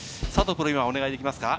プロ、お願いできますか？